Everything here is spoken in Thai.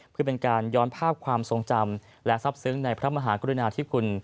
เพื่อเป็นการย้อนภาพความทรงจำและซับซึ้งในพระมหากรุณาธิคุณ